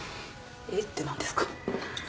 「えっ？」って何ですか。